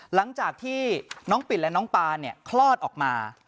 หลังจากที่น้องปิดและน้องปาเนี่ยคลอดออกมา